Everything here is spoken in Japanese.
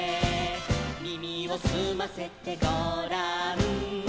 「耳をすませてごらん」